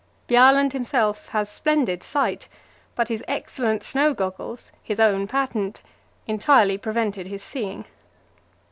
Bjaaland himself has splendid sight, but his excellent snow goggles his own patent entirely prevented his seeing.